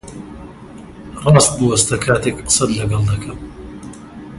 ڕاست بوەستە کاتێک قسەت لەگەڵ دەکەم!